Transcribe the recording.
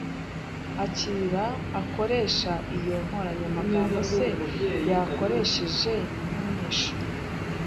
Akira akoresha iyo nkoranyamagambo se yakoresheje nkumunyeshuri.